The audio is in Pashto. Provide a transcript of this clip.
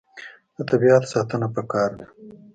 د طبیعت ساتنه پکار ده.